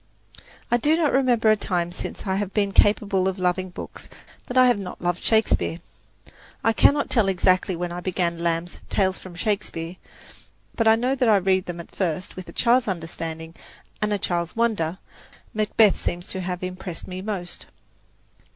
I do not remember a time since I have been capable of loving books that I have not loved Shakespeare. I cannot tell exactly when I began Lamb's "Tales from Shakespeare"; but I know that I read them at first with a child's understanding and a child's wonder. "Macbeth" seems to have impressed me most.